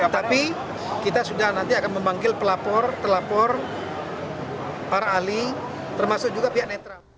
tapi kita sudah nanti akan memanggil pelapor telapor para ahli termasuk juga pihak netral